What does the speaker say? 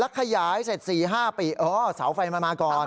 ขยายเสร็จ๔๕ปีเสาไฟมันมาก่อน